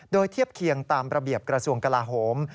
โดยเทียบเคียงตามระเบียบกระทรวงกลาโหม